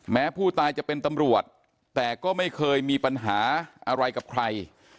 แม้ผู้ตายจะเป็นตำรวจแต่ก็ไม่เคยมีปัญหาอะไรกับใคร